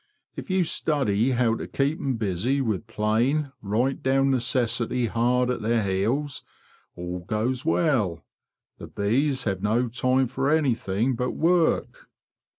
"Tf you study how to keep 'em busy, with plain, right down necessity hard at their heels, all goes well. The bees have no time for anything but work.